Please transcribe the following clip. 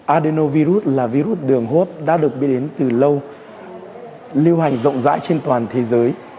adenovirus là virus đường hô hấp đã được biết đến từ lâu lưu hành rộng rãi trên toàn thế giới